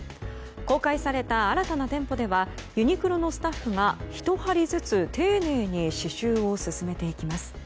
公開された新たな店舗ではユニクロのスタッフが１針ずつ丁寧に刺しゅうを進めていきます。